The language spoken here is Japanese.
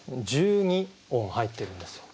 １２音入ってるんですよ。